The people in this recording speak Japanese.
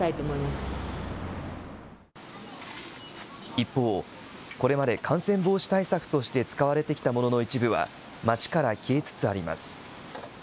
一方、これまで感染防止対策として使われてきたものの一部は、街から消えつつあります。